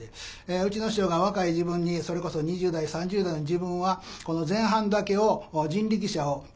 うちの師匠が若い時分にそれこそ２０代３０代の時分はこの前半だけを人力車をタクシーに変えてですね